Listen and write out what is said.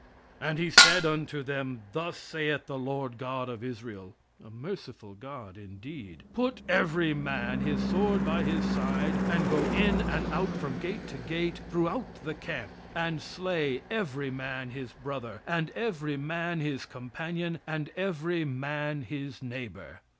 "And he said unto them, Thus saith the Lord God of Israel [a merciful god indeed]. Put every man his sword by his side, and go in and out from gate to gate through out the camp, and slay every man his brother, and every man his companion, and every man his neighbor."